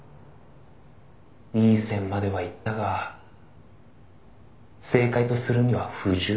「いい線まではいったが正解とするには不十分だ」